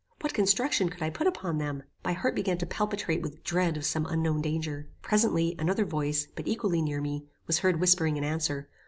What construction could I put upon them? My heart began to palpitate with dread of some unknown danger. Presently, another voice, but equally near me, was heard whispering in answer.